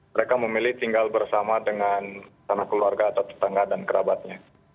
mereka memilih tinggal bersama dengan sana keluarga atau tetangga dan kerabatnya